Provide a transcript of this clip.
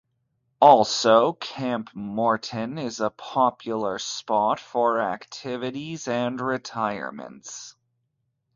Also, Camp Morton is a popular spot for activities and retirements.